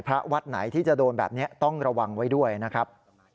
วัดไหนที่จะโดนแบบนี้ต้องระวังไว้ด้วยนะครับ